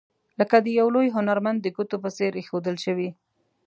لکه د یو لوی هنرمند د ګوتو په څیر ایښودل شوي.